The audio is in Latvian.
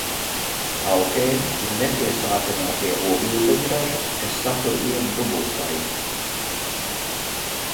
Alkēni ir nepiesātinātie ogļūdeņraži, kas satur vienu dubultsaiti.